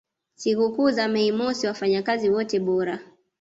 sikukuu za Mei mosi wafanyakazi wote bora